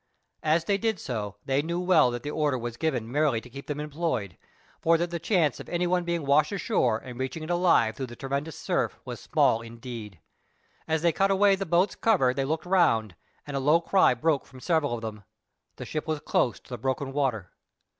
As they did so they knew well that the order was given merely to keep them employed, for that the chance of anyone being washed ashore and reaching it alive through the tremendous surf was small indeed. As they cut away the boat's cover they looked round, and a low cry broke from several of them. The ship was close to the broken water.